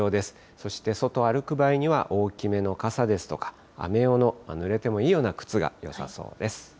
そして外歩く場合には、大きめの傘ですとか、雨用のぬれてもいいような靴がよさそうです。